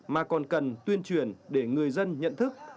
mà còn cần tuyên truyền để người dân nhận thức